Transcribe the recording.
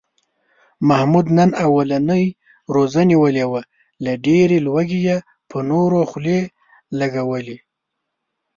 محمود نن اولنۍ روژه نیولې وه، له ډېرې لوږې یې په نورو خولې لږولې.